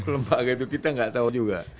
lembaga itu kita nggak tahu juga